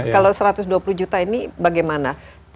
kalau satu ratus dua puluh juta ini bagaimana